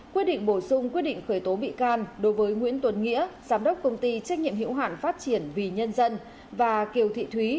quyết định bổ sung quyết định khởi tố bị can đối với nguyễn tuấn nghĩa giám đốc công ty trách nhiệm hiểu hạn phát triển vì nhân dân và kiều thị thúy